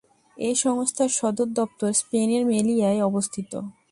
এই সংস্থার সদর দপ্তর স্পেনের মেলিয়ায় অবস্থিত।